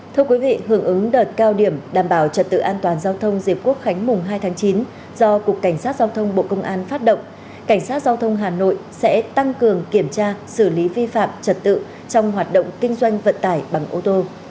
thưa quý vị hưởng ứng đợt cao điểm đảm bảo trật tự an toàn giao thông dịp quốc khánh mùng hai tháng chín do cục cảnh sát giao thông bộ công an phát động cảnh sát giao thông hà nội sẽ tăng cường kiểm tra xử lý vi phạm trật tự trong hoạt động kinh doanh vận tải bằng ô tô